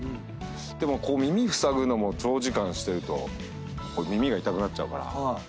でもこう耳ふさぐのも長時間してると耳が痛くなっちゃうから。